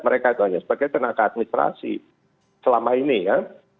mereka itu hanya sebagai tenaga administrasi selama ini ya